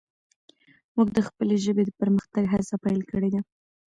موږ د خپلې ژبې د پرمختګ هڅه پیل کړي ده.